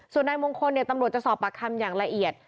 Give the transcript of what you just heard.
ส่วนนายมงคลตำรวจจะสอบปากคำอย่างละเอียด